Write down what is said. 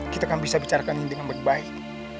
kita kan bisa bicarakan ini dengan baik baik